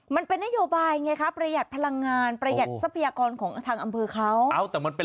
มันเป็นนโยบายไงครับประหยัดพลังงาน